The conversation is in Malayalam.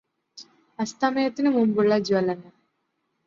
അസ്തമയത്തിനുമുമ്പുള്ള ജ്വലനം